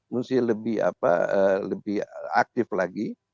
mesti lebih aktif lagi